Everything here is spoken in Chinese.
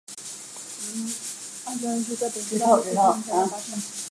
然而二战亦是在本次大会期间全面打响。